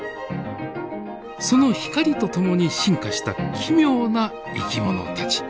その光と共に進化した奇妙な生き物たち。